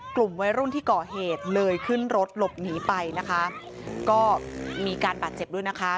กลุ่มวัยรุ่นที่ก่อเหตุเลยขึ้นรถหลบหนีไปนะคะก็มีการบาดเจ็บด้วยนะคะ